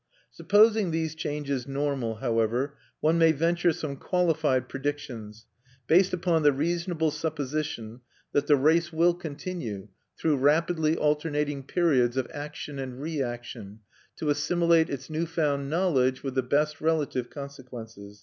Supposing these changes normal, however, one may venture some qualified predictions, based upon the reasonable supposition that the race will continue, through rapidly alternating periods of action and reaction, to assimilate its new found knowledge with the best relative consequences.